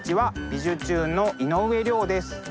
「びじゅチューン！」の井上涼です。